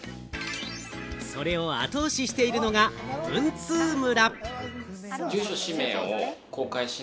それを後押ししているのが文通村。